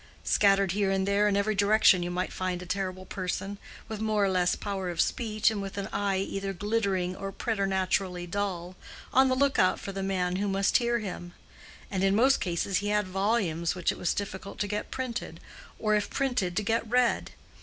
Scattered here and there in every direction you might find a terrible person, with more or less power of speech, and with an eye either glittering or preternaturally dull, on the look out for the man who must hear him; and in most cases he had volumes which it was difficult to get printed, or if printed to get read.